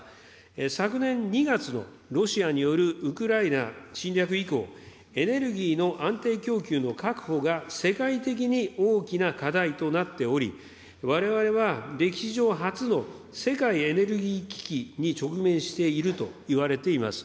昨年２月のロシアによるウクライナ侵略以降、エネルギーの安定供給の確保が世界的に大きな課題となっており、われわれは歴史上初の世界エネルギー危機に直面しているといわれています。